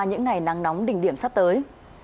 những ngày nắng nóng đỉnh điểm sắp tới